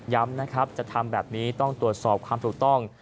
นะครับจะทำแบบนี้ต้องตรวจสอบความถูกต้อง